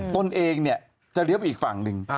ตนเองเนี่ยจะเลี้ยวไปอีกฝั่งหนึ่ง